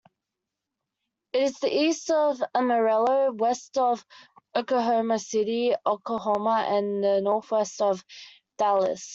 It is east of Amarillo, west of Oklahoma City, Oklahoma, and northwest of Dallas.